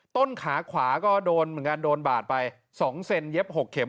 ต้นขาขวาก็โดนเหมือนกันโดนบาดไป๒เซนเย็บ๖เข็ม